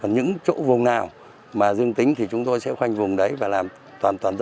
những chỗ vùng nào mà dương tính thì chúng tôi sẽ khoanh vùng đấy và làm toàn toàn dân